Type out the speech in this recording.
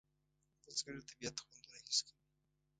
بزګر د طبیعت خوندونه حس کوي